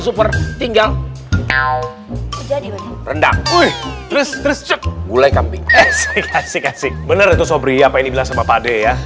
super tinggal rendang mulai kambing kasih kasih bener itu sobri apa ini bilang sama pak d ya